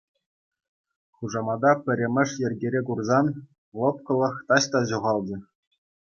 Хушаматӑма пӗрремӗш йӗркере курсан лӑпкӑлӑх таҫта ҫухалчӗ.